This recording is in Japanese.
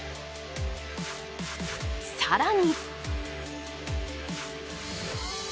更に！